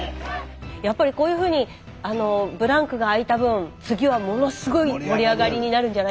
やっぱりこういうふうにブランクが空いた分次はものすごい盛り上がりになるんじゃないですか？